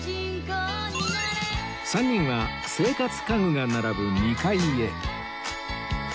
３人は生活家具が並ぶ２階へ